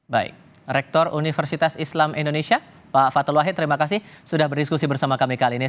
baik rektor universitas islam indonesia pak fatul wahid terima kasih sudah berdiskusi bersama kami kali ini